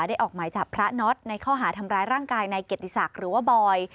ออกหมายจับพระน็อตในข้อหาทำร้ายร่างกายในเกียรติศักดิ์หรือว่าบอย